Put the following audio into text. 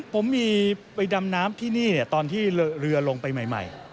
ผมมีไปดำน้ำที่นี่ตอนที่เรือลงไปใหม่